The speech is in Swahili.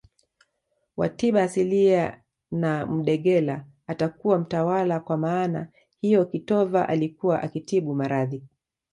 wa tiba asilia na mudegela atakuwa mtawala kwa maana hiyo kitova alikuwa akitibu maradhi